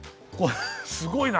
すごいな！